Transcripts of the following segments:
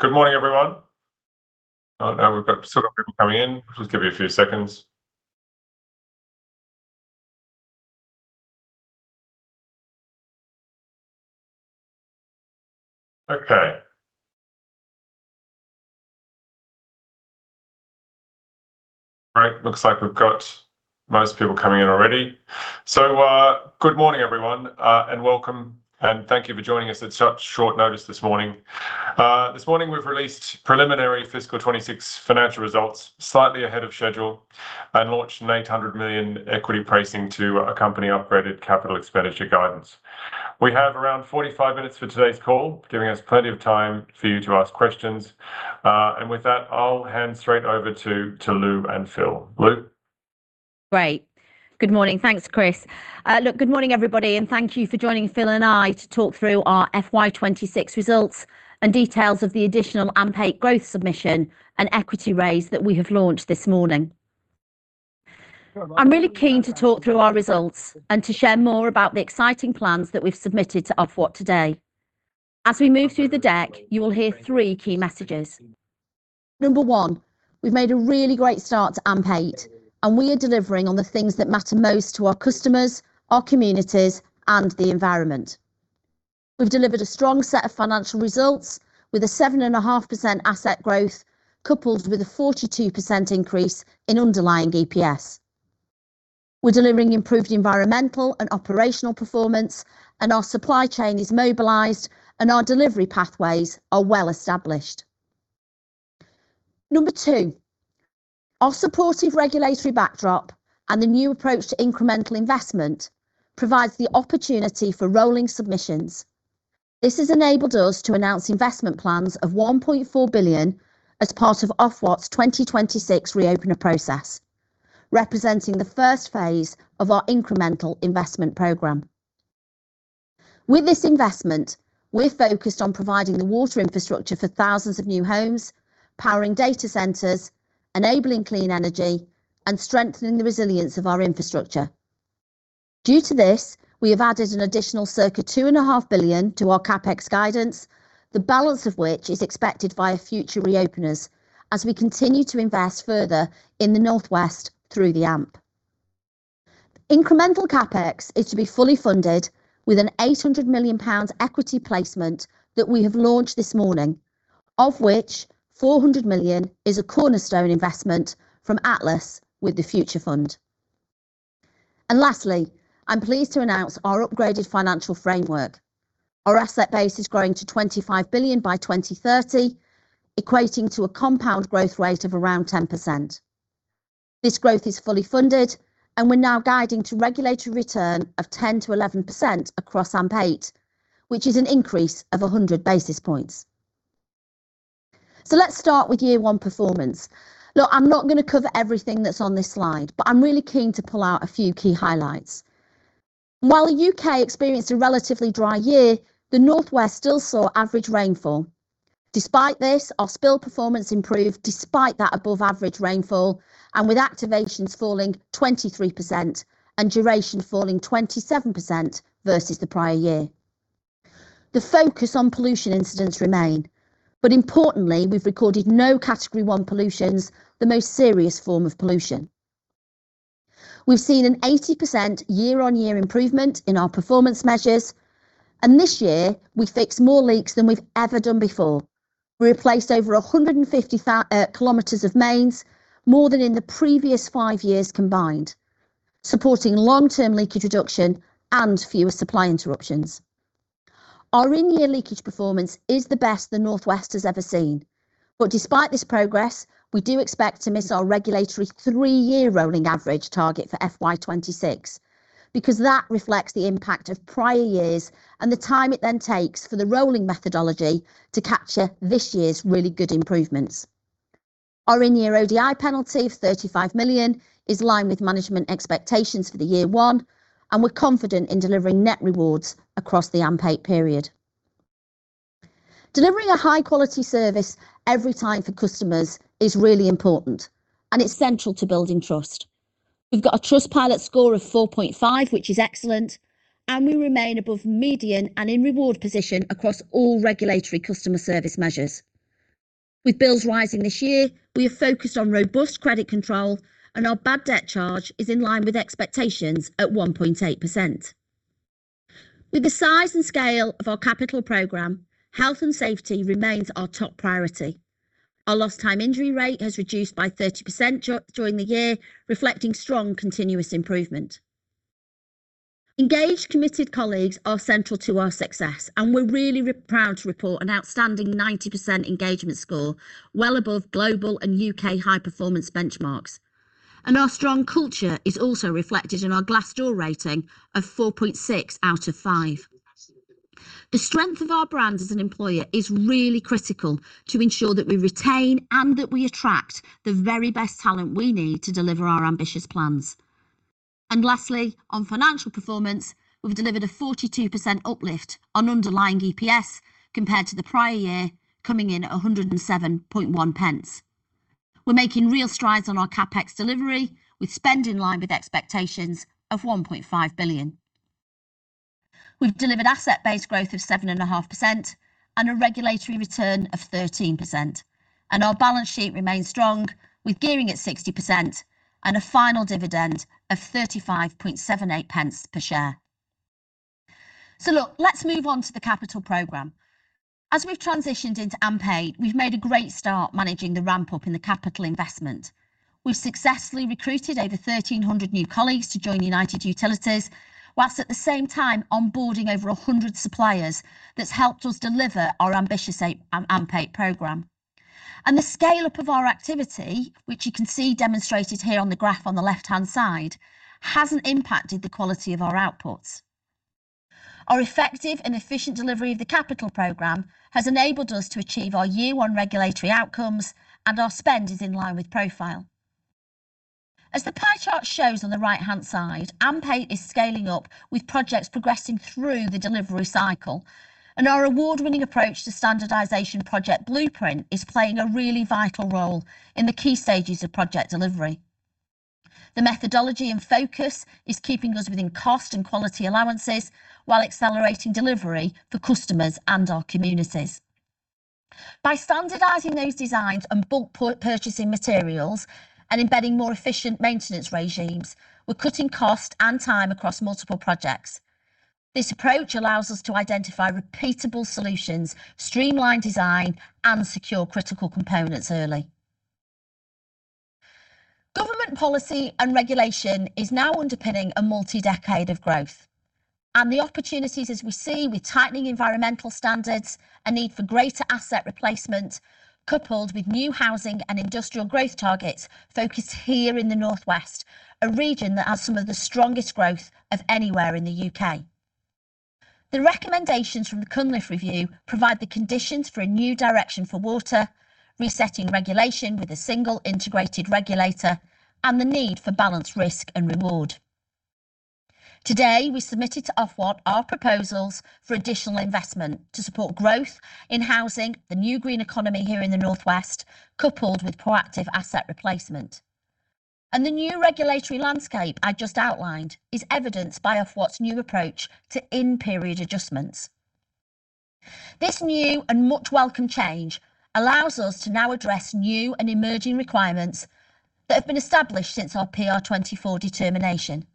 Good morning, everyone. Now we've still got people coming in. Just give it a few seconds. Okay. Great. Looks like we've got most people coming in already. Good morning, everyone, and welcome, and thank you for joining us at such short notice this morning. This morning we've released preliminary FY 2026 financial results slightly ahead of schedule and launched a 800 million equity pricing to accompany upgraded capital expenditure guidance. We have around 45 minutes for today's call, giving us plenty of time for you to ask questions. With that, I'll hand straight over to Louise and Phil. Louise? Great. Good morning. Thanks, Chris. Good morning, everybody, and thank you for joining Phil and I to talk through our FY 2026 results and details of the additional AMP8 growth submission and equity raise that we have launched this morning. I'm really keen to talk through our results and to share more about the exciting plans that we've submitted to Ofwat today. As we move through the deck, you will hear three key messages. Number one, we've made a really great start to AMP8, and we are delivering on the things that matter most to our customers, our communities, and the environment. We've delivered a strong set of financial results with a 7.5% asset growth coupled with a 42% increase in underlying EPS. We're delivering improved environmental and operational performance, and our supply chain is mobilized, and our delivery pathways are well established. Number two, our supportive regulatory backdrop and the new approach to incremental investment provides the opportunity for rolling submissions. This has enabled us to announce investment plans of 1.4 billion as part of Ofwat's 2026 reopener process, representing the first phase of our incremental investment program. With this investment, we're focused on providing the water infrastructure for thousands of new homes, powering data centers, enabling clean energy, and strengthening the resilience of our infrastructure. Due to this, we have added an additional circa 2.5 billion to our CapEx guidance, the balance of which is expected via future reopeners as we continue to invest further in the Northwest through the AMP. Incremental CapEx is to be fully funded with a 800 million pounds equity placement that we have launched this morning, of which 400 million is a cornerstone investment from Atlas with The Future Fund. Lastly, I'm pleased to announce our upgraded financial framework. Our asset base is growing to 25 billion by 2030, equating to a compound growth rate of around 10%. This growth is fully funded, and we're now guiding to regulatory return of 10%-11% across AMP8, which is an increase of 100 basis points. Let's start with year one performance. Look, I'm not gonna cover everything that's on this slide, but I'm really keen to pull out a few key highlights. While the U.K. experienced a relatively dry year, the North West still saw average rainfall. Despite this, our spill performance improved despite that above average rainfall and with activations falling 23% and duration falling 27% versus the prior year. The focus on pollution incidents remain, but importantly, we've recorded no Category One pollutions, the most serious form of pollution. We've seen an 80% year-on-year improvement in our performance measures, and this year we fixed more leaks than we've ever done before. We replaced over 150 km of mains, more than in the previous five years combined, supporting long-term leakage reduction and fewer supply interruptions. Our in-year leakage performance is the best the Northwest has ever seen. Despite this progress, we do expect to miss our regulatory three-year rolling average target for FY 2026 because that reflects the impact of prior years and the time it then takes for the rolling methodology to capture this year's really good improvements. Our in-year ODI penalty of 35 million is in line with management expectations for the year one, and we're confident in delivering net rewards across the AMP8 period. Delivering a high-quality service every time for customers is really important, and it's central to building trust. We've got a Trustpilot score of 4.5, which is excellent, and we remain above median and in reward position across all regulatory customer service measures. With bills rising this year, we have focused on robust credit control, and our bad debt charge is in line with expectations at 1.8%. With the size and scale of our capital program, health and safety remains our top priority. Our lost time injury rate has reduced by 30% during the year, reflecting strong continuous improvement. Engaged, committed colleagues are central to our success, we're really proud to report an outstanding 90% engagement score, well above global and U.K. high-performance benchmarks. Our strong culture is also reflected in our Glassdoor rating of 4.6 out of five. The strength of our brand as an employer is really critical to ensure that we retain and that we attract the very best talent we need to deliver our ambitious plans. Lastly, on financial performance, we've delivered a 42% uplift on underlying EPS compared to the prior year, coming in at 1.071. We're making real strides on our CapEx delivery with spend in line with expectations of 1.5 billion. We've delivered asset base growth of 7.5%, and a regulatory return of 13%. Our balance sheet remains strong with gearing at 60%, and a final dividend of 0.3578 per share. Look, let's move on to the capital program. As we've transitioned into AMP8, we've made a great start managing the ramp up in the capital investment. We've successfully recruited over 1,300 new colleagues to join United Utilities, whilst at the same time onboarding over 100 suppliers that's helped us deliver our ambitious AMP8 program. The scale-up of our activity, which you can see demonstrated here on the graph on the left-hand side, hasn't impacted the quality of our outputs. Our effective and efficient delivery of the capital program has enabled us to achieve our year-one regulatory outcomes, and our spend is in line with profile. As the pie chart shows on the right-hand side, AMP8 is scaling up with projects progressing through the delivery cycle. Our award-winning approach to standardization Project Blueprint is playing a really vital role in the key stages of project delivery. The methodology and focus is keeping us within cost and quality allowances while accelerating delivery for customers and our communities. By standardizing those designs and bulk purchasing materials and embedding more efficient maintenance regimes, we're cutting cost and time across multiple projects. This approach allows us to identify repeatable solutions, streamline design, and secure critical components early. Government policy and regulation is now underpinning a multi-decade of growth. The opportunities as we see with tightening environmental standards, a need for greater asset replacement, coupled with new housing and industrial growth targets focused here in the Northwest, a region that has some of the strongest growth of anywhere in the U.K. The recommendations from the Cunliffe review provide the conditions for a new direction for water, resetting regulation with a single integrated regulator, and the need for balanced risk and reward. Today, we submitted to Ofwat our proposals for additional investment to support growth in housing, the new green economy here in the Northwest, coupled with proactive asset replacement. The new regulatory landscape I just outlined is evidenced by Ofwat's new approach to in-period adjustments. This new and much welcome change allows us to now address new and emerging requirements that have been established since our PR24 determination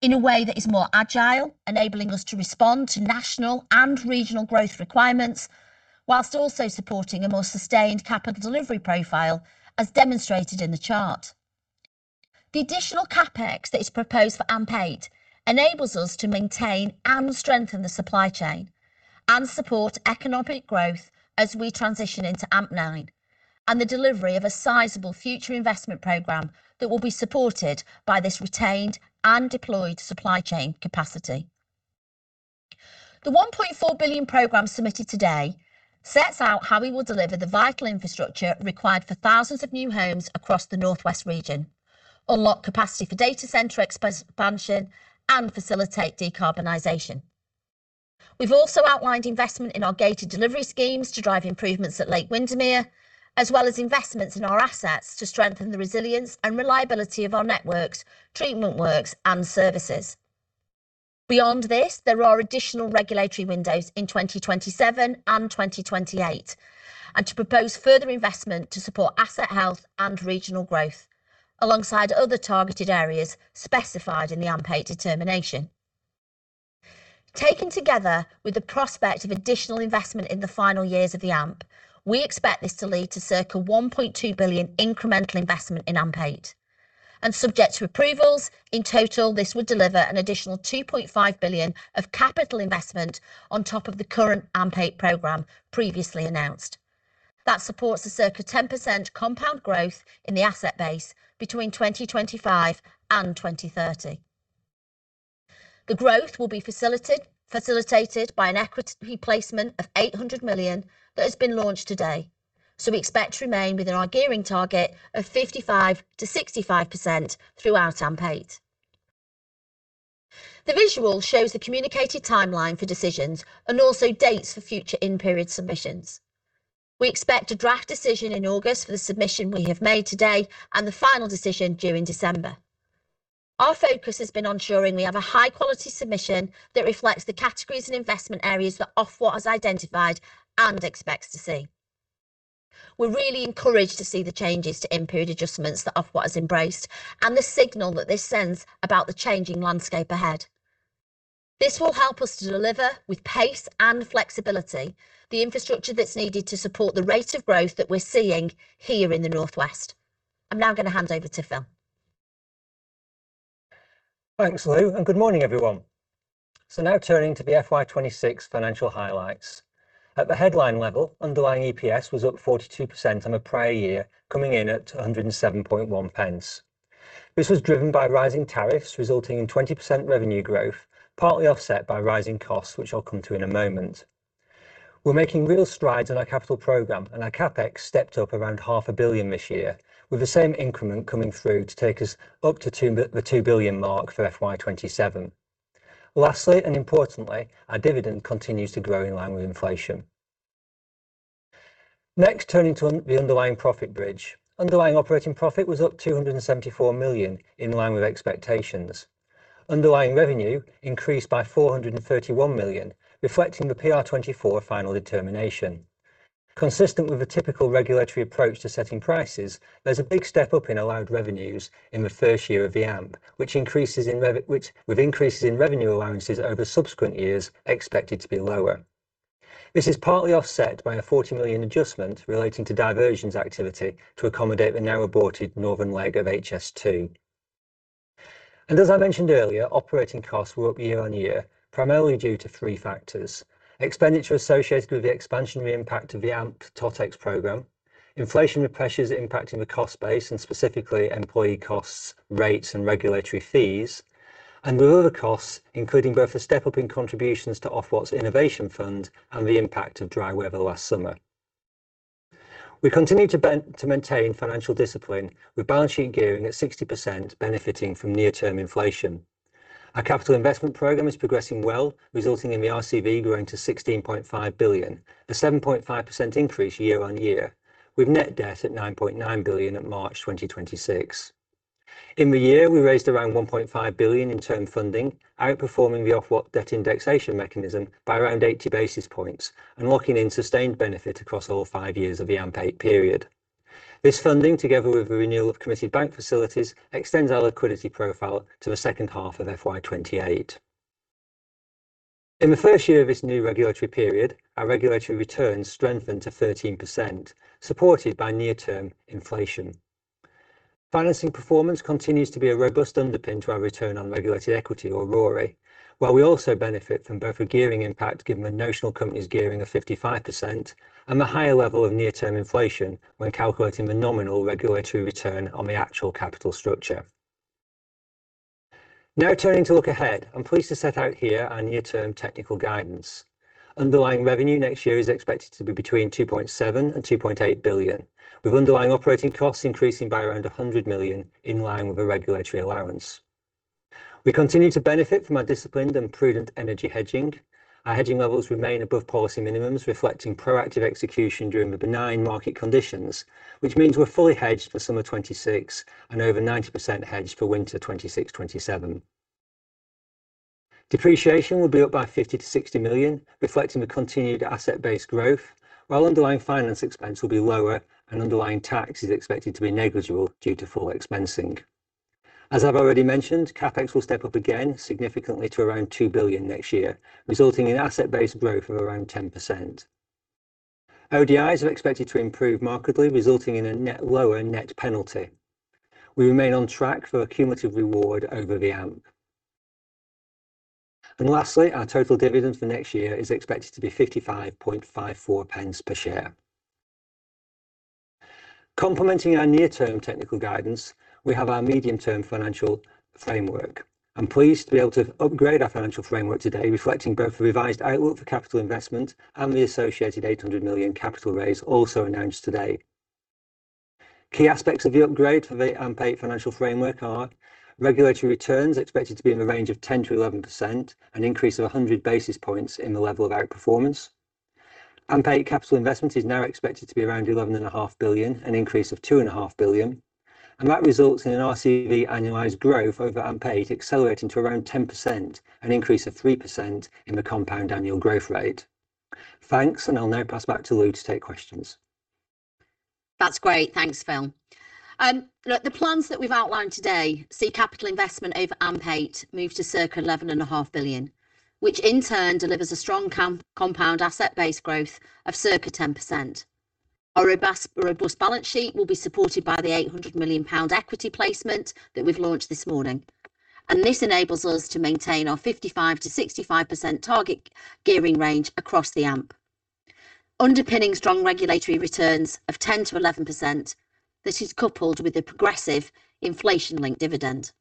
in a way that is more agile, enabling us to respond to national and regional growth requirements, while also supporting a more sustained capital delivery profile, as demonstrated in the chart. The additional CapEx that is proposed for AMP8 enables us to maintain and strengthen the supply chain and support economic growth as we transition into AMP9, and the delivery of a sizable future investment program that will be supported by this retained and deployed supply chain capacity. The 1.4 billion program submitted today sets out how we will deliver the vital infrastructure required for thousands of new homes across the Northwest region, unlock capacity for data center expansion, and facilitate decarbonization. We've also outlined investment in our gated delivery schemes to drive improvements at Lake Windermere, as well as investments in our assets to strengthen the resilience and reliability of our networks, treatment works, and services. Beyond this, there are additional regulatory windows in 2027 and 2028, and to propose further investment to support asset health and regional growth, alongside other targeted areas specified in the AMP8 determination. Taken together with the prospect of additional investment in the final years of the AMP, we expect this to lead to circa 1.2 billion incremental investment in AMP8. Subject to approvals, in total, this would deliver an additional 2.5 billion of capital investment on top of the current AMP8 program previously announced. That supports a circa 10% compound growth in the asset base between 2025 and 2030. The growth will be facilitated by an equity placement of 800 million that has been launched today. We expect to remain within our gearing target of 55%-65% throughout AMP8. The visual shows the communicated timeline for decisions and also dates for future in-period submissions. We expect a draft decision in August for the submission we have made today and the final decision due in December. Our focus has been on ensuring we have a high-quality submission that reflects the categories and investment areas that Ofwat has identified and expects to see. We are really encouraged to see the changes to in-period adjustments that Ofwat has embraced and the signal that this sends about the changing landscape ahead. This will help us to deliver with pace and flexibility the infrastructure that is needed to support the rate of growth that we are seeing here in the North West. I'm now gonna hand over to Phil. Thanks, Lou, good morning everyone. Now turning to the FY 2026 financial highlights. At the headline level, underlying EPS was up 42% on the prior year, coming in at 1.071. This was driven by rising tariffs, resulting in 20% revenue growth, partly offset by rising costs, which I'll come to in a moment. We're making real strides in our capital program, our CapEx stepped up around half a billion this year, with the same increment coming through to take us up to the 2 billion mark for FY 2027. Lastly, importantly, our dividend continues to grow in line with inflation. Next, turning to the underlying profit bridge. Underlying operating profit was up 274 million, in line with expectations. Underlying revenue increased by 431 million, reflecting the PR24 Final Determination. Consistent with a typical regulatory approach to setting prices, there's a big step up in allowed revenues in the first year of the AMP, which, with increases in revenue allowances over subsequent years expected to be lower. This is partly offset by a 40 million adjustment relating to diversions activity to accommodate the now aborted northern leg of HS2. As I mentioned earlier, operating costs were up year-over-year, primarily due to three factors. Expenditure associated with the expansionary impact of the AMP totex program. Inflationary pressures impacting the cost base and specifically employee costs, rates, and regulatory fees. With other costs, including both the step-up in contributions to Ofwat's innovation fund and the impact of dry weather last summer. We continue to maintain financial discipline, with balance sheet gearing at 60% benefiting from near-term inflation. Our capital investment program is progressing well, resulting in the RCV growing to 16.5 billion, a 7.5% increase year-on-year, with net debt at 9.9 billion at March 2026. In the year, we raised around 1.5 billion in term funding, outperforming the Ofwat debt indexation mechanism by around 80 basis points and locking in sustained benefit across all five years of the AMP8 period. This funding, together with the renewal of committed bank facilities, extends our liquidity profile to the second half of FY 2028. In the first year of this new regulatory period, our regulatory returns strengthened to 13%, supported by near-term inflation. Financing performance continues to be a robust underpin to our Return on Regulated Equity, or RoRE, while we also benefit from both a gearing impact, given the notional company's gearing of 55%, and the higher level of near-term inflation when calculating the nominal regulatory return on the actual capital structure. Turning to look ahead. I am pleased to set out here our near-term technical guidance. Underlying revenue next year is expected to be between 2.7 billion and 2.8 billion, with underlying operating costs increasing by around 100 million, in line with the regulatory allowance. We continue to benefit from our disciplined and prudent energy hedging. Our hedging levels remain above policy minimums, reflecting proactive execution during the benign market conditions, which means we are fully hedged for summer 2026 and over 90% hedged for winter 2026/2027. Depreciation will be up by 50 million-60 million, reflecting the continued asset base growth, while underlying finance expense will be lower and underlying tax is expected to be negligible due to full expensing. As I've already mentioned, CapEx will step up again significantly to around 2 billion next year, resulting in asset base growth of around 10%. ODIs are expected to improve markedly, resulting in a lower net penalty. We remain on track for a cumulative reward over the AMP. Lastly, our total dividend for next year is expected to be 0.5554 per share. Complementing our near-term technical guidance, we have our medium-term financial framework. I'm pleased to be able to upgrade our financial framework today, reflecting both the revised outlook for capital investment and the associated 800 million capital raise also announced today. Key aspects of the upgrade for the AMP8 financial framework are regulatory returns expected to be in the range of 10%-11%, an increase of 100 basis points in the level of outperformance. AMP8 capital investment is now expected to be around 11.5 billion, an increase of 2.5 billion. That results in an RCV annualized growth over AMP8 accelerating to around 10%, an increase of 3% in the compound annual growth rate. Thanks, and I'll now pass back to Lou to take questions. That's great. Thanks, Phil. Look, the plans that we've outlined today see capital investment over AMP8 move to circa 11.5 billion, which in turn delivers a strong compound asset base growth of circa 10%. Our robust balance sheet will be supported by the 800 million pound equity placement that we've launched this morning. This enables us to maintain our 55%-65% target gearing range across the AMP, underpinning strong regulatory returns of 10%-11% that is coupled with a progressive inflation-linked dividend.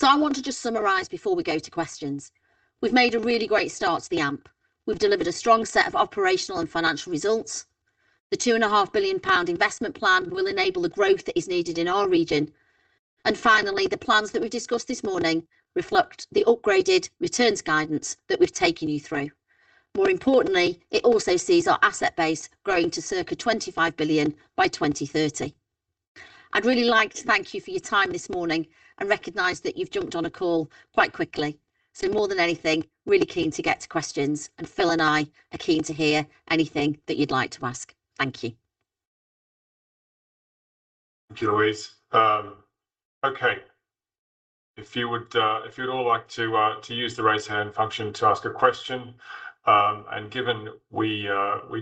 I want to just summarize before we go to questions. We've made a really great start to the AMP. We've delivered a strong set of operational and financial results. The 2.5 billion pound investment plan will enable the growth that is needed in our region. Finally, the plans that we've discussed this morning reflect the upgraded returns guidance that we've taken you through. More importantly, it also sees our asset base growing to circa 25 billion by 2030. I'd really like to thank you for your time this morning and recognize that you've jumped on a call quite quickly. More than anything, really keen to get to questions, and Phil and I are keen to hear anything that you'd like to ask. Thank you. Thank you, Louise. Okay. If you would, if you'd all like to use the raise hand function to ask a question, given we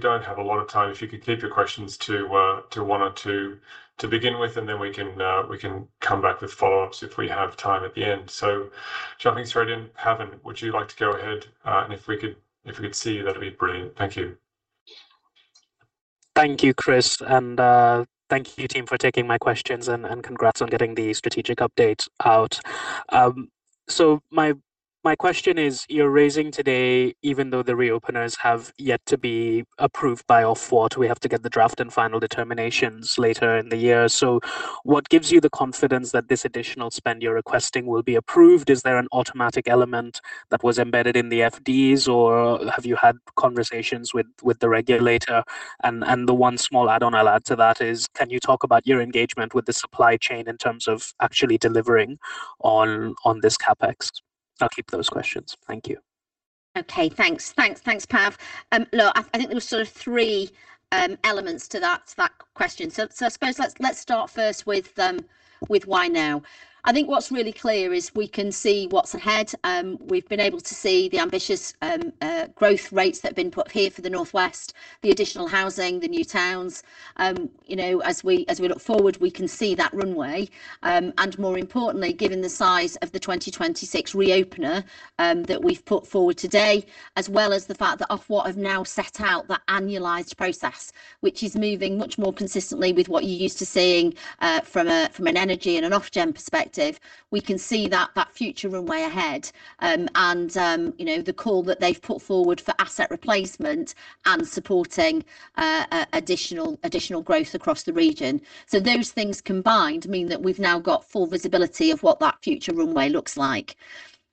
don't have a lot of time, if you could keep your questions to one or two to begin with, then we can come back with follow-ups if we have time at the end. Jumping straight in, Pavan, would you like to go ahead? If we could see you, that'd be brilliant. Thank you. Thank you, Chris, and thank you team for taking my questions and congrats on getting the strategic update out. My question is, you're raising today even though the reopeners have yet to be approved by Ofwat. We have to get the draft and Final Determinations later in the year. What gives you the confidence that this additional spend you're requesting will be approved? Is there an automatic element that was embedded in the FDs or have you had conversations with the regulator? The one small add-on I'll add to that is can you talk about your engagement with the supply chain in terms of actually delivering on this CapEx? I'll keep those questions. Thank you. Okay, thanks. Thanks, Pavan. Look, I think there were sort of three elements to that question. I suppose let's start first with why now. I think what's really clear is we can see what's ahead. We've been able to see the ambitious growth rates that have been put here for the North West, the additional housing, the new towns. You know, as we look forward, we can see that runway. And more importantly, given the size of the 2026 reopener that we've put forward today, as well as the fact that Ofwat have now set out that annualized process, which is moving much more consistently with what you're used to seeing from an energy and an Ofgem perspective, we can see that future runway ahead. The call that they've put forward for asset replacement and supporting additional growth across the region. Those things combined mean that we've now got full visibility of what that future runway looks like.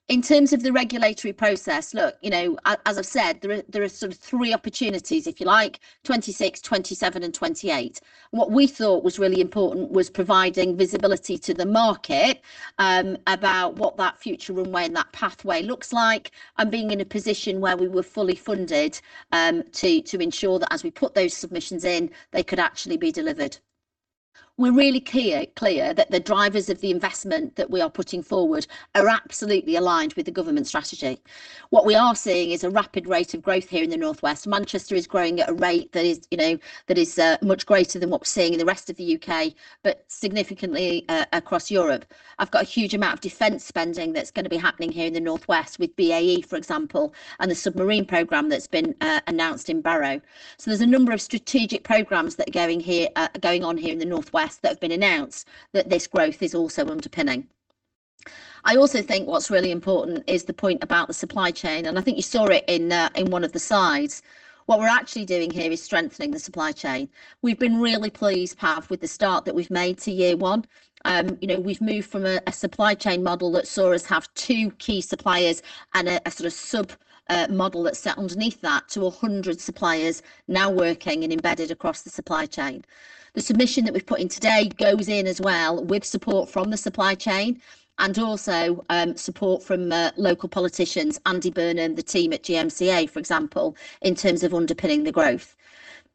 In terms of the regulatory process, as I've said, there are three opportunities, if you like, 2026, 2027, and 2028. What we thought was really important was providing visibility to the market about what that future runway and that pathway looks like, and being in a position where we were fully funded to ensure that as we put those submissions in, they could actually be delivered. We're really clear that the drivers of the investment that we are putting forward are absolutely aligned with the government strategy. What we are seeing is a rapid rate of growth here in the North West. Manchester is growing at a rate that is, you know, that is much greater than what we're seeing in the rest of the U.K., but significantly across Europe. I've got a huge amount of defense spending that's gonna be happening here in the North West with BAE, for example, and the submarine program that's been announced in Barrow. There's a number of strategic programs that are going here, are going on here in the North West that have been announced that this growth is also underpinning. I also think what's really important is the point about the supply chain, and I think you saw it in one of the slides. What we're actually doing here is strengthening the supply chain. We've been really pleased, Pavan, with the start that we've made to year one. You know, we've moved from a sort of sub model that sat underneath that to 100 suppliers now working and embedded across the supply chain. The submission that we've put in today goes in as well with support from the supply chain and also support from local politicians, Andy Burnham, the team at GMCA, for example, in terms of underpinning the growth.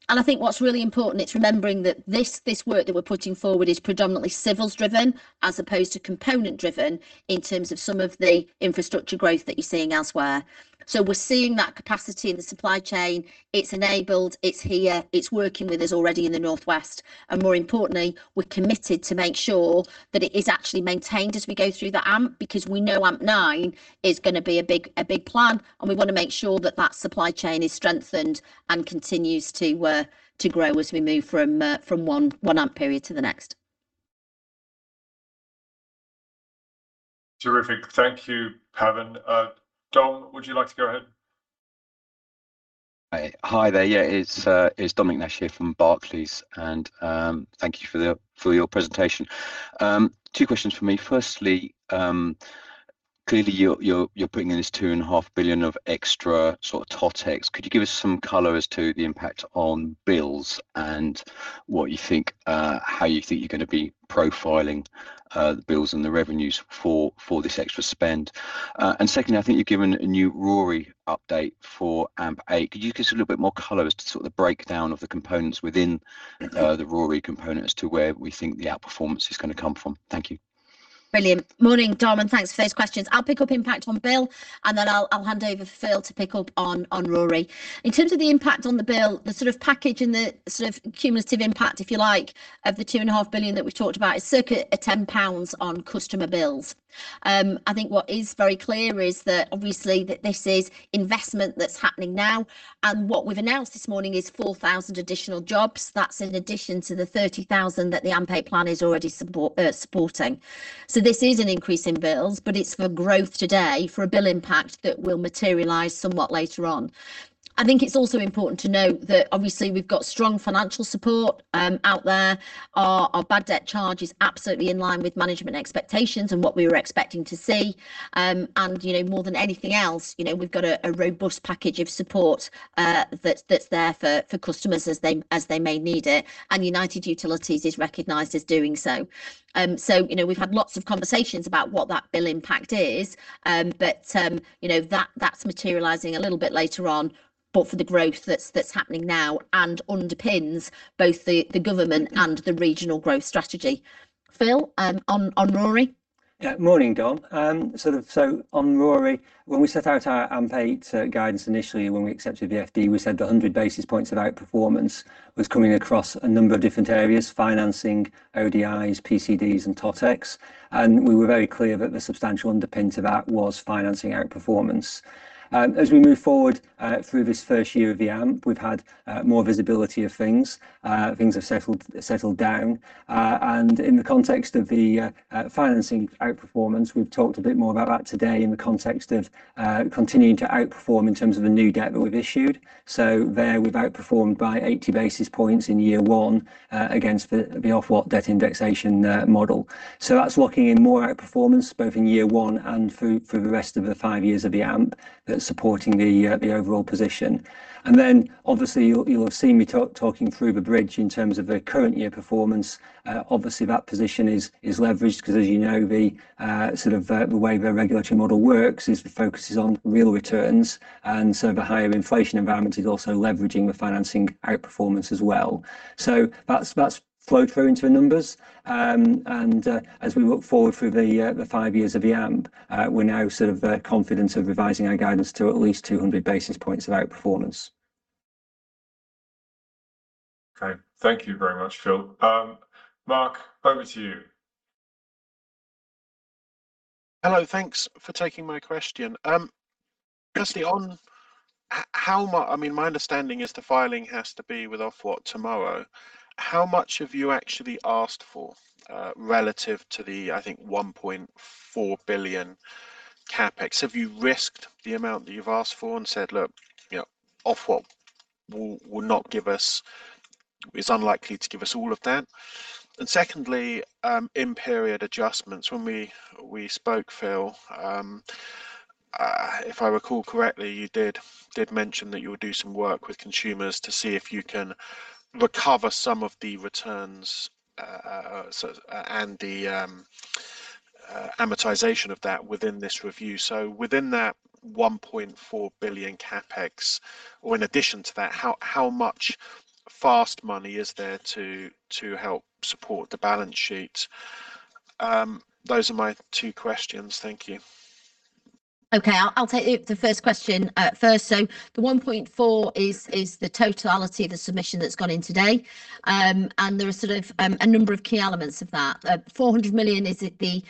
I think what's really important, it's remembering that this work that we're putting forward is predominantly civils driven as opposed to component driven in terms of some of the infrastructure growth that you're seeing elsewhere. We're seeing that capacity in the supply chain. It's enabled, it's here, it's working with us already in the North West. More importantly, we're committed to make sure that it is actually maintained as we go through the AMP, because we know AMP9 is gonna be a big plan, and we wanna make sure that that supply chain is strengthened and continues to grow as we move from one AMP period to the next. Perfact. Thank you, Pavan. Dom, would you like to go ahead? Hi. Hi there. It's Dominic Nash here from Barclays, and thank you for the, for your presentation. Two questions from me. Firstly, clearly you're, you're putting in this 2.5 billion of extra sort of Totex. Could you give us some color as to the impact on bills and what you think, how you think you're gonna be profiling the bills and the revenues for this extra spend? Secondly, I think you've given a new RoRE update for AMP8. Could you give us a little bit more color as to sort of the breakdown of the components within the RoRE component as to where we think the outperformance is gonna come from? Brilliant. Morning, Dom, thanks for those questions. I'll pick up impact on bill, then I'll hand over for Phil to pick up on RoRE. In terms of the impact on the bill, the sort of package and the sort of cumulative impact, if you like, of the 2.5 billion that we've talked about is circa a 10 pounds on customer bills. I think what is very clear is that obviously this is investment that's happening now, what we've announced this morning is 4,000 additional jobs. That's in addition to the 30,000 that the AMP8 plan is already supporting. This is an increase in bills, it's for growth today for a bill impact that will materialize somewhat later on. I think it's also important to note that obviously we've got strong financial support out there. Our bad debt charge is absolutely in line with management expectations and what we were expecting to see. You know, more than anything else, you know, we've got a robust package of support that's there for customers as they may need it, and United Utilities is recognized as doing so. You know, we've had lots of conversations about what that bill impact is, you know, that's materializing a little bit later on, for the growth that's happening now and underpins both the government and the regional growth strategy. Phil, on RoRE? Morning, Dom. On RoRE, when we set out our AMP8 guidance initially when we accepted the FD, we said the 100 basis points of outperformance was coming across a number of different areas, financing, ODIs, PCDs, and Totex. We were very clear that the substantial underpin to that was financing outperformance. As we move forward through this first year of the AMP, we've had more visibility of things. Things have settled down. In the context of the financing outperformance, we've talked a bit more about that today in the context of continuing to outperform in terms of the new debt that we've issued. There we've outperformed by 80 basis points in year one against the Ofwat debt indexation model. That's locking in more outperformance both in year one and through the rest of the five years of the AMP that's supporting the overall position. Obviously you'll have seen me talking through the bridge in terms of the current year performance. Obviously that position is leveraged 'cause as you know, the way the regulatory model works is the focus is on real returns. The higher inflation environment is also leveraging the financing outperformance as well. That's flowed through into the numbers. As we look forward through the five years of the AMP, we're now confident of revising our guidance to at least 200 basis points of outperformance. Okay. Thank you very much, Phil. Mark, over to you. Hello. Thanks for taking my question. I mean, my understanding is the filing has to be with Ofwat tomorrow. How much have you actually asked for relative to the, I think 1.4 billion CapEx? Have you risked the amount that you've asked for and said, "Look, you know, Ofwat will not give us, is unlikely to give us all of that"? Secondly, in-period adjustments. When we spoke, Phil, if I recall correctly, you did mention that you would do some work with consumers to see if you can recover some of the returns, sort of, and the amortization of that within this review. Within that 1.4 billion CapEx, or in addition to that, how much fast money is there to help support the balance sheet? Those are my two questions. Thank you. Okay. I'll take it, the first question, first. The 1.4 is the totality of the submission that's gone in today. There are a number of key elements of that. 400 million is at the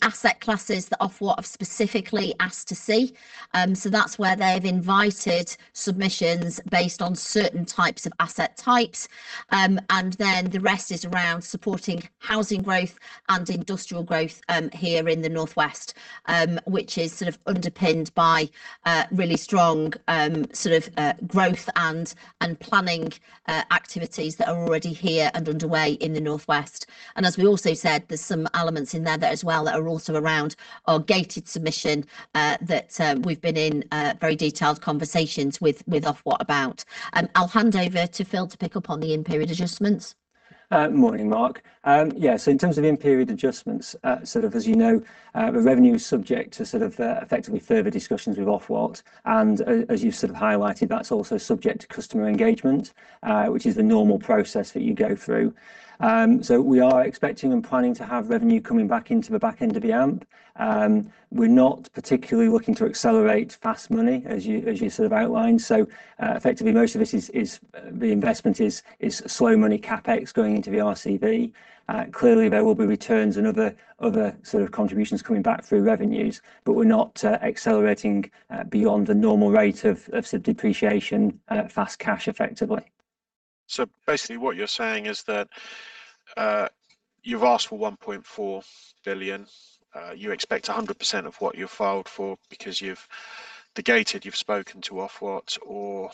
asset classes that Ofwat have specifically asked to see. That's where they've invited submissions based on certain types of asset types. The rest is around supporting housing growth and industrial growth here in the Northwest, which is underpinned by really strong growth and planning activities that are already here and underway in the Northwest. As we also said, there's some elements in there that as well, that are also around our gated submission, that we've been in very detailed conversations with Ofwat about. I'll hand over to Phil to pick up on the in-period adjustments. Morning, Mark. Yeah, in terms of in-period adjustments, as you know, the revenue is subject to effectively further discussions with Ofwat. As you've highlighted, that's also subject to customer engagement, which is the normal process that you go through. We are expecting and planning to have revenue coming back into the back end of the AMP. We're not particularly looking to accelerate fast money as you, as you outlined. Effectively, most of this is, the investment is slow money CapEx going into the RCV. Clearly there will be returns and other contributions coming back through revenues. We're not accelerating beyond the normal rate of say depreciation, fast cash effectively. Basically what you're saying is that you've asked for 1.4 billion. You expect 100% of what you've filed for because you've spoken to Ofwat or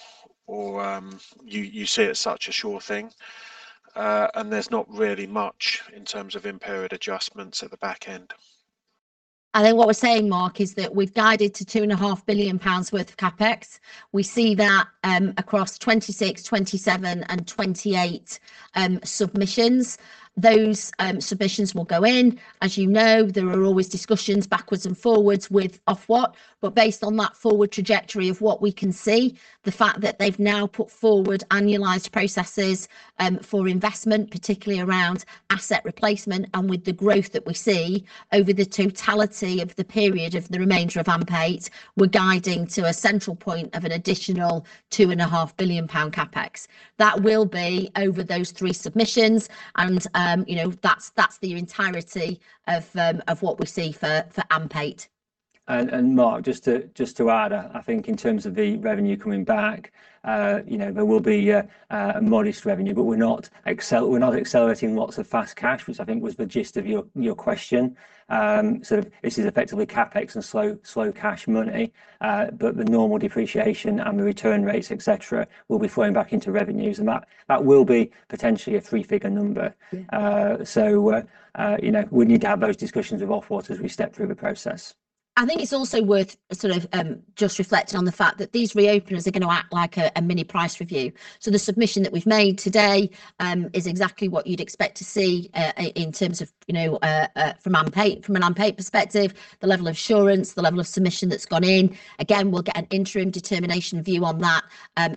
you see it as such a sure thing. There's not really much in terms of in-period adjustments at the back end. I think what we're saying, Mark, is that we've guided to 2.5 billion pounds worth of CapEx. We see that across 2026, 2027, and 2028 submissions. Those submissions will go in. As you know, there are always discussions backwards and forwards with Ofwat. Based on that forward trajectory of what we can see, the fact that they've now put forward annualized processes for investment, particularly around asset replacement and with the growth that we see over the totality of the period of the remainder of AMP8, we're guiding to a central point of an additional 2.5 billion pound CapEx. That will be over those three submissions. You know, that's the entirety of what we see for AMP8. Mark, just to add, I think in terms of the revenue coming back, you know, there will be a modest revenue. We're not accelerating lots of fast cash, which I think was the gist of your question. Sort of this is effectively CapEx and slow cash money. The normal depreciation and the return rates, et cetera, will be flowing back into revenues, and that will be potentially a three-figure number. You know, we need to have those discussions with Ofwat as we step through the process. I think it's also worth sort of, just reflecting on the fact that these reopeners are gonna act like a mini price review. The submission that we've made today, is exactly what you'd expect to see in terms of, you know, from AMP8, from an AMP8 perspective, the level of assurance, the level of submission that's gone in. Again, we'll get an interim determination view on that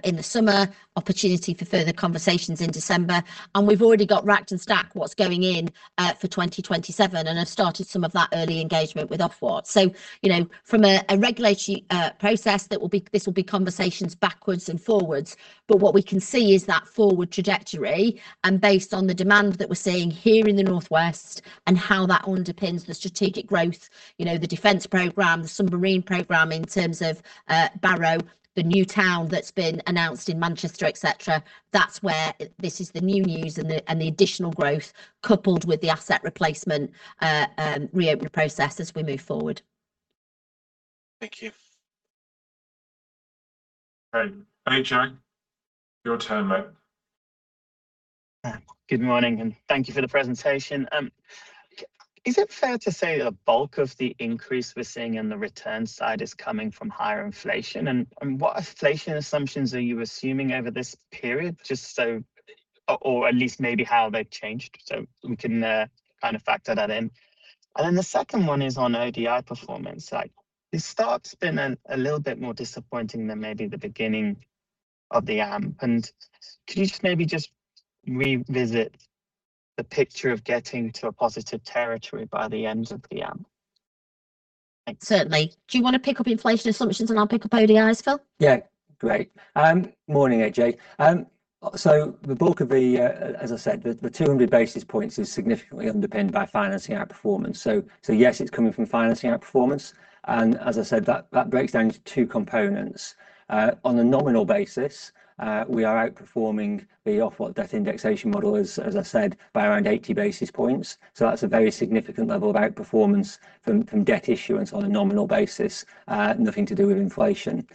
in the summer, opportunity for further conversations in December, and we've already got racked and stacked what's going in for 2027 and have started some of that early engagement with Ofwat. You know, from a regulatory process, this will be conversations backwards and forwards, but what we can see is that forward trajectory, and based on the demand that we're seeing here in the North West and how that underpins the strategic growth, you know, the defense program, the submarine program in terms of Barrow, the new town that's been announced in Manchester, et cetera, that's where it. This is the new news and the additional growth coupled with the asset replacement reopen process as we move forward. Thank you. Great. Ajay, your turn, mate. Good morning, thank you for the presentation. Is it fair to say the bulk of the increase we're seeing in the return side is coming from higher inflation? What inflation assumptions are you assuming over this period? Just so, or at least maybe how they've changed so we can kind of factor that in. The second one is on ODI performance. Like, the start's been a little bit more disappointing than maybe the beginning of the AMP. Could you just maybe just revisit the picture of getting to a positive territory by the end of the AMP? Certainly. Do you wanna pick up inflation assumptions and I'll pick up ODIs, Phil? Yeah. Great. Morning, Ajay. The bulk of the, as I said, the 200 basis points is significantly underpinned by financing outperformance. Yes, it's coming from financing outperformance. As I said, that breaks down into two components. On a nominal basis, we are outperforming the Ofwat debt indexation model as I said, by around 80 basis points, so that's a very significant level of outperformance from debt issuance on a nominal basis. Nothing to do with inflation.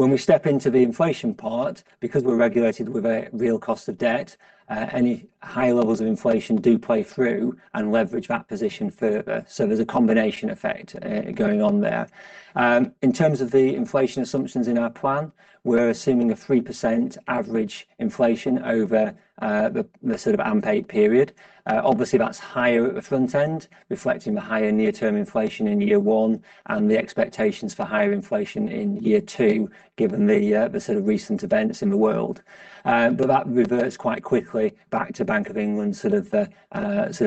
When we step into the inflation part, because we're regulated with a real cost of debt, any high levels of inflation do play through and leverage that position further. There's a combination effect going on there. In terms of the inflation assumptions in our plan, we're assuming a 3% average inflation over the AMP8 period. Obviously that's higher at the front end, reflecting the higher near-term inflation in year one and the expectations for higher inflation in year two given the recent events in the world. But that reverts quite quickly back to Bank of England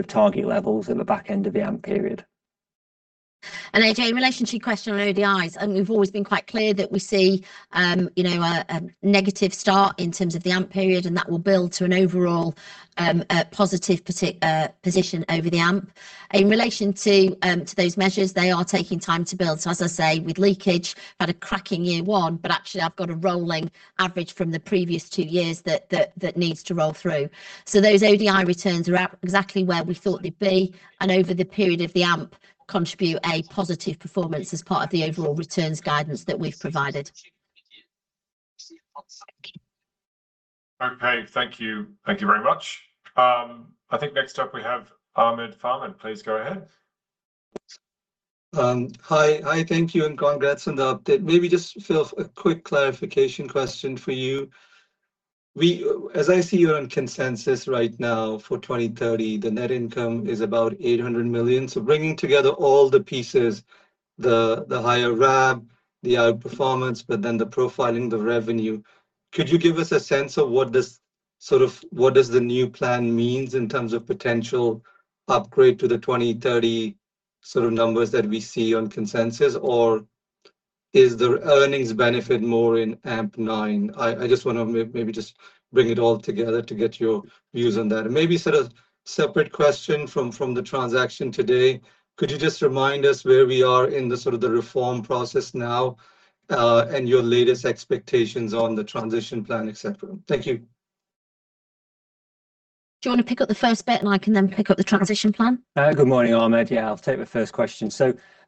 target levels at the back end of the AMP period. Ajay, in relation to your question on ODIs, we've always been quite clear that we see, you know, a negative start in terms of the AMP period and that will build to an overall positive position over the AMP. In relation to those measures, they are taking time to build. As I say, with leakage, had a cracking year 1, but actually I've got a rolling average from the previous two years that needs to roll through. Those ODI returns are at exactly where we thought they'd be, and over the period of the AMP contribute a positive performance as part of the overall returns guidance that we've provided. Okay. Thank you. Thank you very much. I think next up we have [Ahmed Farman]. Please go ahead. Hi. Hi, thank you, and congrats on the update. Maybe just, Phil, a quick clarification question for you. We, as I see you're on consensus right now for 2030, the net income is about 800 million. Bringing together all the pieces, the higher RAB, the outperformance, but then the profiling the revenue, could you give us a sense of what this sort of, what does the new plan means in terms of potential upgrade to the 2030 sort of numbers that we see on consensus? Or is the earnings benefit more in AMP9? I just wanna maybe just bring it all together to get your views on that. Maybe sort of separate question from the transaction today. Could you just remind us where we are in the sort of the reform process now, and your latest expectations on the transition plan, et cetera? Thank you. Do you wanna pick up the first bit, and I can then pick up the transition plan? Good morning, Ahmed. Yeah, I'll take the first question.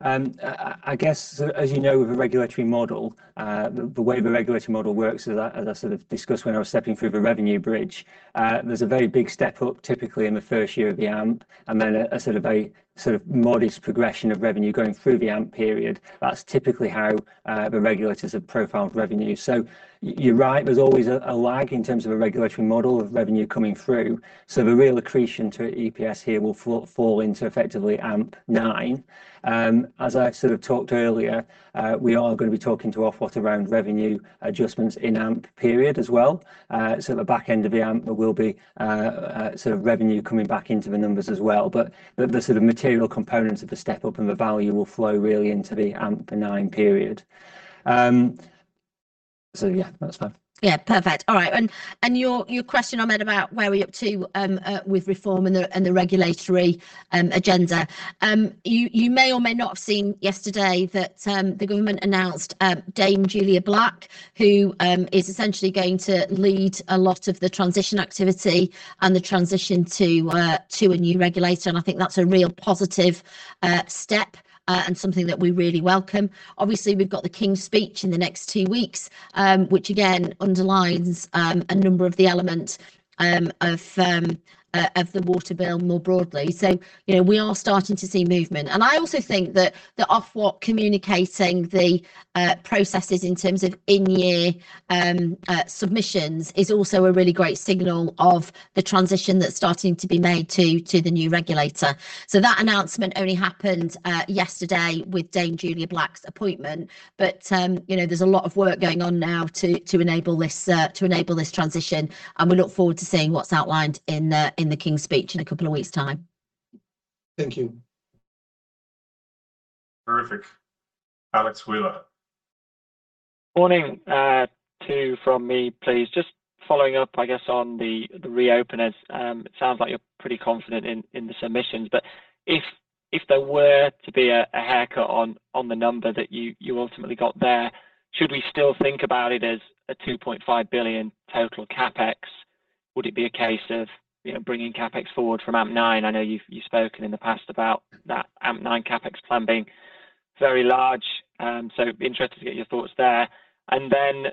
I guess, as you know, with the regulatory model, the way the regulatory model works, as I sort of discussed when I was stepping through the revenue bridge, there's a very big step up typically in the first year of the AMP and then a sort of modest progression of revenue going through the AMP period. That's typically how the regulators have profiled revenue. You're right, there's always a lag in terms of a regulatory model of revenue coming through. The real accretion to EPS here will fall into effectively AMP9. As I sort of talked earlier, we are gonna be talking to Ofwat around revenue adjustments in AMP period as well. At the back end of the AMP, there will be, sort of revenue coming back into the numbers as well. The, the sort of material components of the step-up and the value will flow really into the AMP9 period. Yeah, that's fine. Yeah. Perfect. All right. Your question Ahmed about where are we up to with reform and the regulatory agenda. You may or may not have seen yesterday that the government announced Dame Julia Black, who is essentially going to lead a lot of the transition activity and the transition to a new regulator, and I think that's a real positive step and something that we really welcome. Obviously, we've got the King's Speech in the next two weeks, which again underlines a number of the elements of the Water Bill more broadly. You know, we are starting to see movement. I also think that the Ofwat communicating the processes in terms of in-year submissions is also a really great signal of the transition that's starting to be made to the new regulator. That announcement only happened yesterday with Dame Julia Black's appointment, but, you know, there's a lot of work going on now to enable this transition, and we look forward to seeing what's outlined in the King's Speech in a couple of weeks' time. Thank you. [Perfact]. Alex Wheeler. Morning, to you from me, please. Just following up, I guess, on the reopeners. It sounds like you're pretty confident in the submissions, but if there were to be a haircut on the number that you ultimately got there, should we still think about it as a 2.5 billion total CapEx? Would it be a case of, you know, bringing CapEx forward from AMP9? I know you've spoken in the past about that AMP9 CapEx plan being very large. I'd be interested to get your thoughts there. Then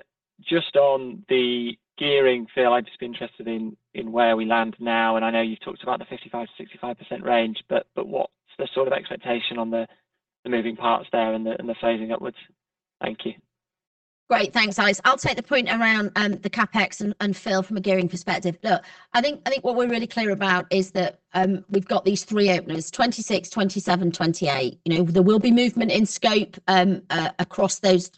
just on the gearing, Phil, I'd just be interested in where we land now. I know you've talked about the 55%-65% range, but what's the sort of expectation on the moving parts there and the phasing upwards? Thank you. Great. Thanks, Alex. I'll take the point around the CapEx and Phil from a gearing perspective. Look, I think what we're really clear about is that we've got these three openers, 2026, 2027, 2028. You know, there will be movement in scope across those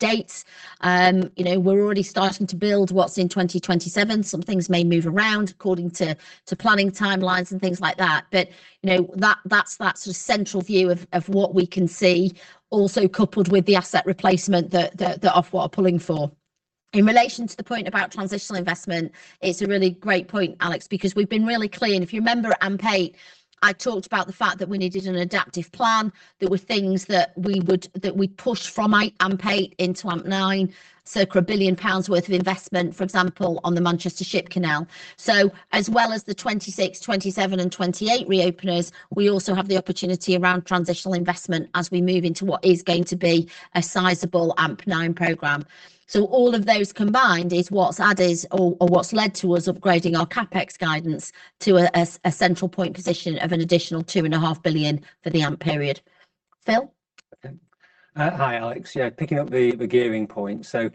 dates. You know, we're already starting to build what's in 2027. Some things may move around according to planning timelines and things like that, but, you know, that's that sort of central view of what we can see also coupled with the asset replacement that Ofwat are pulling for. In relation to the point about transitional investment, it's a really great point, Alex, because we've been really clear. If you remember at AMP8, I talked about the fact that we needed an adaptive plan. There were things that we would that we'd push from AMP8 into AMP9, circa 1 billion pounds worth of investment, for example, on the Manchester Ship Canal. As well as the 2026, 2027, and 2028 reopeners, we also have the opportunity around transitional investment as we move into what is going to be a sizable AMP9 program. All of those combined is what's added or what's led to us upgrading our CapEx guidance to a central point position of an additional 2.5 billion for the AMP period. Phil? Okay. Hi, Alex. Picking up the gearing point. Today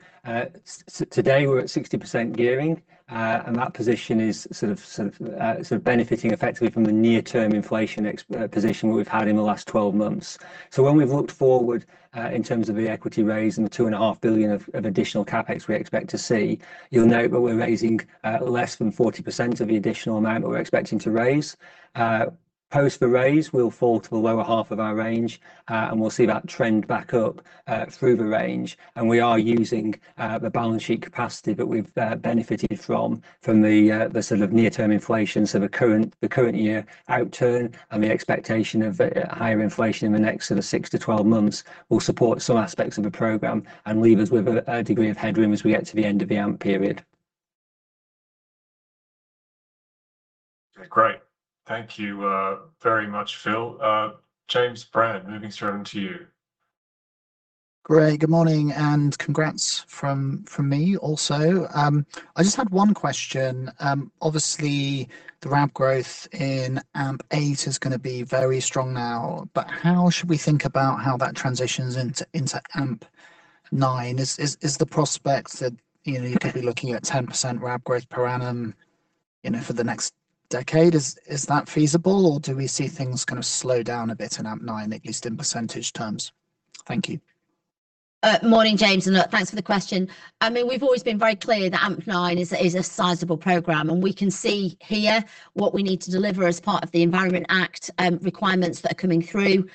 we're at 60% gearing, and that position is sort of benefiting effectively from the near-term inflation position we've had in the last 12 months. When we've looked forward, in terms of the equity raise and the 2.5 billion of additional CapEx we expect to see, you'll note that we're raising less than 40% of the additional amount that we're expecting to raise. Post the raise, we'll fall to the lower half of our range, and we'll see that trend back up through the range, and we are using the balance sheet capacity that we've benefited from from the sort of near-term inflation. The current year outturn and the expectation of higher inflation in the next sort of six to 12 months will support some aspects of the program and leave us with a degree of headroom as we get to the end of the AMP period. Okay. Great. Thank you, very much, Phil. James Brand, moving straight on to you. Great. Good morning and congrats from me also. I just had one question. Obviously the ramp growth in AMP8 is gonna be very strong now, how should we think about how that transitions into AMP9? Is the prospect that, you know, you could be looking at 10% ramp growth per annum, you know, for the next decade? Is that feasible, or do we see things kind of slow down a bit in AMP9, at least in percentage terms? Thank you. Morning, James, thanks for the question. I mean, we've always been very clear that AMP9 is a sizable program, and we can see here what we need to deliver as part of the Environment Act requirements that are coming through.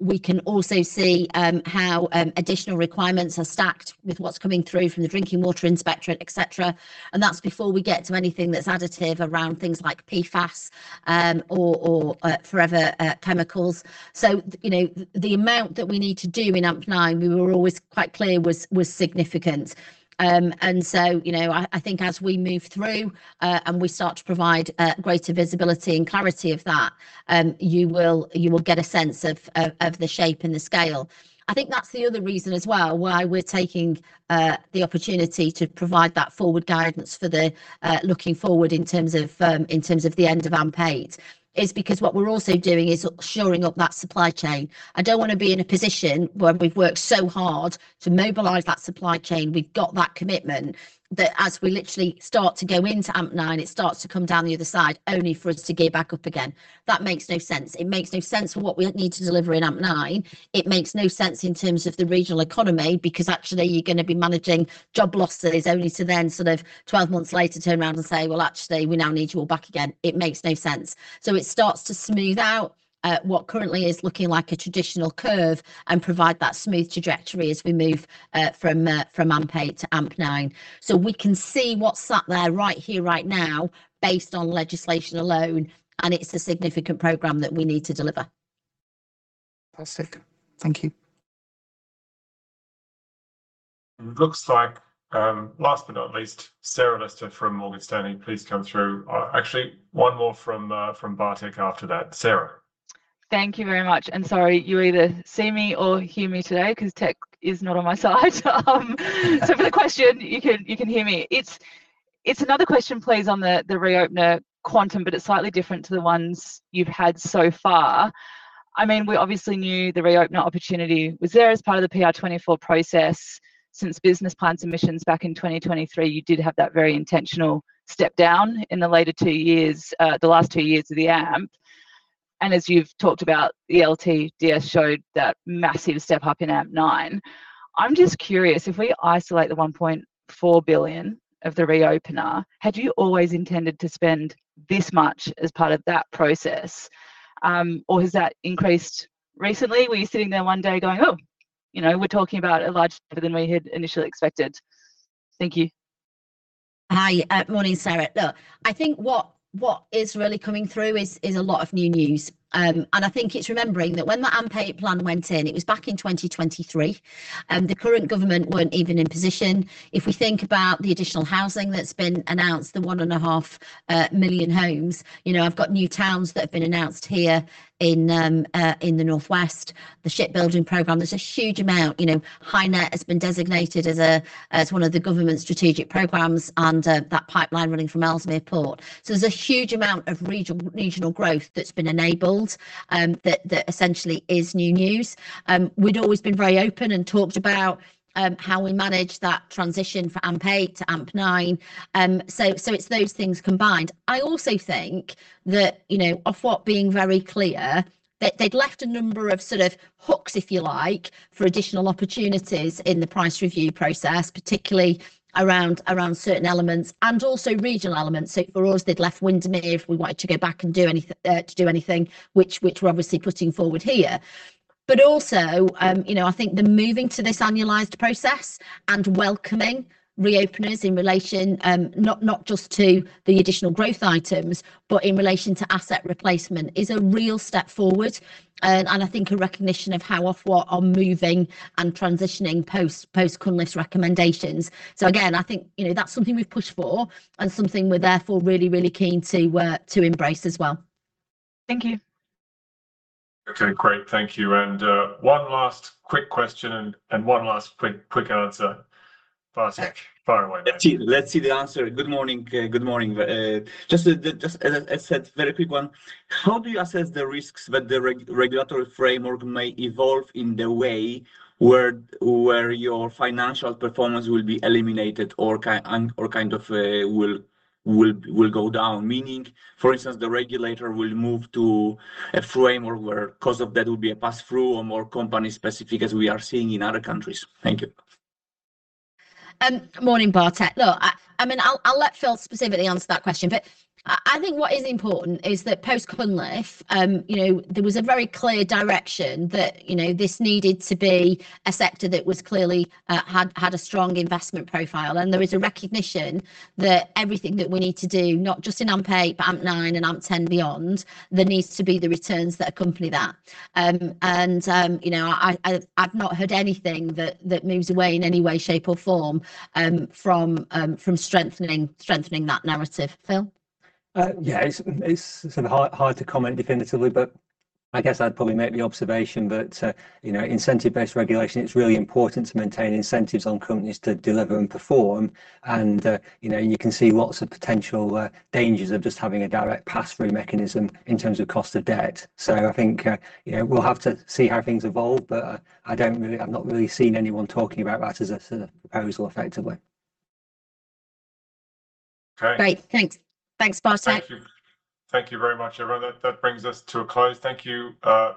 We can also see how additional requirements are stacked with what's coming through from the Drinking Water Inspectorate, et cetera, and that's before we get to anything that's additive around things like PFAS or forever chemicals. You know, the amount that we need to do in AMP9, we were always quite clear, was significant. You know, I think as we move through and we start to provide greater visibility and clarity of that, you will get a sense of the shape and the scale. I think that's the other reason as well, why we're taking the opportunity to provide that forward guidance for the looking forward in terms of the end of AMP8, is because what we're also doing is shoring up that supply chain. I don't wanna be in a position where we've worked so hard to mobilize that supply chain, we've got that commitment, that as we literally start to go into AMP9, it starts to come down the other side only for us to gear back up again. That makes no sense. It makes no sense for what we need to deliver in AMP9. It makes no sense in terms of the regional economy, because actually you're gonna be managing job losses only to then sort of 12 months later turn around and say, "Well, actually, we now need you all back again." It makes no sense. It starts to smooth out what currently is looking like a traditional curve and provide that smooth trajectory as we move from AMP8 to AMP9. We can see what's sat there right here, right now, based on legislation alone, and it's a significant program that we need to deliver. Fantastic. Thank you. It looks like, last but not least, Sarah Lester from Morgan Stanley, please come through. Actually, one more from Bartek after that. Sarah. Thank you very much. Sorry you either see me or hear me today, 'cause tech is not on my side. For the question, you can hear me. It's another question please on the reopener quantum, it's slightly different to the ones you've had so far. I mean, we obviously knew the reopener opportunity was there as part of the PR24 process. Since business plan submissions back in 2023, you did have that very intentional step down in the later two years, the last two years of the AMP. As you've talked about, the LTDS showed that massive step up in AMP9. I'm just curious, if we isolate the 1.4 billion of the reopener, had you always intended to spend this much as part of that process, or has that increased recently? Were you sitting there one day going, "Oh, you know, we're talking about a large than we had initially expected"? Thank you. Hi. Morning, Sarah. Look, I think what is really coming through is a lot of new news. I think it's remembering that when the AMP8 plan went in, it was back in 2023 and the current government weren't even in position. If we think about the additional housing that's been announced, the 1.5 million homes, you know, I've got new towns that have been announced here in the North West. The shipbuilding program, there's a huge amount, you know. HyNet has been designated as one of the government's strategic programs, that pipeline running from Ellesmere Port. There's a huge amount of regional growth that's been enabled, that essentially is new news. We'd always been very open and talked about how we manage that transition from AMP8 to AMP9. It's those things combined. I also think that, you know, Ofwat being very clear, that they'd left a number of sort of hooks, if you like, for additional opportunities in the price review process, particularly around certain elements and also regional elements. For us, they'd left Windermere if we wanted to go back and do anything, which we're obviously putting forward here. Also, you know, I think the moving to this annualized process and welcoming reopeners in relation, not just to the additional growth items, but in relation to asset replacement, is a real step forward. I think a recognition of how Ofwat are moving and transitioning post Cunliffe's recommendations. Again, I think, you know, that's something we've pushed for, and something we're therefore really, really keen to embrace as well. Thank you. Okay, great. Thank you. One last quick question and one last quick answer. [Bartek], fire away, mate. Let's see the answer. Good morning. Good morning. Just as I said, very quick one. How do you assess the risks that the regulatory framework may evolve in the way where your financial performance will be eliminated or and, or kind of will go down? Meaning, for instance, the regulator will move to a framework where cost of debt will be a pass-through or more company specific, as we are seeing in other countries. Thank you. Morning, Bartek. Look, I mean, I'll let Phil specifically answer that question. I think what is important is that post Cunliffe, you know, there was a very clear direction that, you know, this needed to be a sector that was clearly had a strong investment profile. There is a recognition that everything that we need to do, not just in AMP8, but AMP9 and AMP10 beyond, there needs to be the returns that accompany that. You know, I've not heard anything that moves away in any way, shape, or form from strengthening that narrative. Phil? Yeah. It's hard to comment definitively, but I guess I'd probably make the observation that, you know, incentive-based regulation, it's really important to maintain incentives on companies to deliver and perform and, you know, you can see lots of potential dangers of just having a direct pass-through mechanism in terms of cost of debt. I think, you know, we'll have to see how things evolve, but I don't really, I've not really seen anyone talking about that as a sort of proposal effectively. Okay. Great. Thanks. Thanks, Bartek. Thank you. Thank you very much, everyone. That brings us to a close. Thank you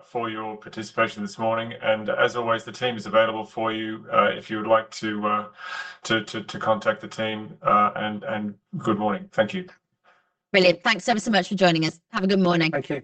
for your participation this morning. As always, the team is available for you if you would like to contact the team. Good morning. Thank you. Brilliant. Thanks ever so much for joining us. Have a good morning. Thank you.